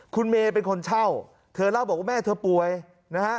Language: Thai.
คุณเมย์เป็นคนเช่าเธอเล่าบอกว่าแม่เธอป่วยนะฮะ